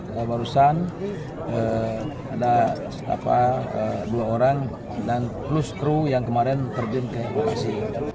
ada barusan ada dua orang dan plus kru yang kemarin terjun ke evakuasi